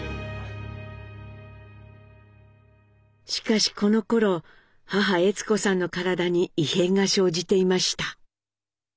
しかしこのころ母・悦子さんの体に異変が生じていました。